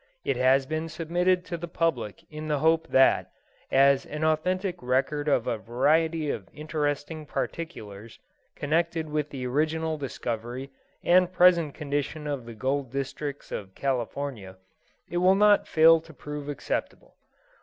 It has been submitted to the public in the hope that, as an authentic record of a variety of interesting particulars connected with the original discovery and present condition of the Gold Districts of California, it will not fail to prove acceptable.